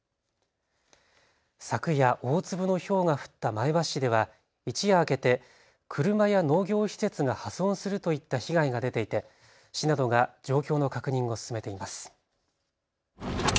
昨夜、大粒のひょうが降った前橋市では一夜明けて車や農業施設が破損するといった被害が出ていて市などが状況の確認を進めています。